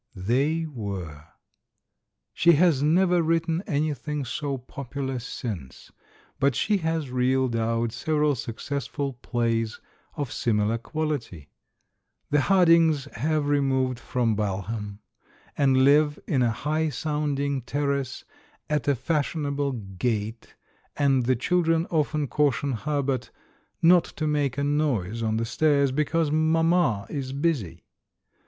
They were. She has never written anything so popular since, but she has reeled out several successful plays, of similar quality. The Hard ings have removed from Balham, and live in a high sounding Terrace at a fashionable Gate, and the children often caution Herbert "not to make a noise on the stairs, because mamma is busy.'